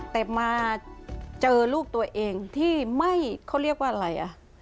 แต่มาเจอลูกตัวเองที่ไม่เขาเรียกว่าอะไรอ่ะ